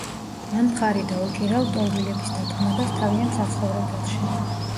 მან მხარი დაუჭირა ლტოლვილების დაბრუნებას თავიანთ საცხოვრებელში.